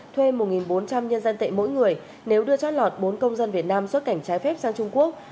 thuê một bốn trăm linh nhân dân tệ mỗi người nếu đưa chót lọt bốn công dân việt nam xuất cảnh trái phép sang trung quốc